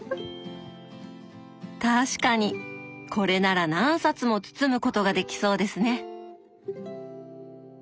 確かにこれなら何冊も包むことができそうですね。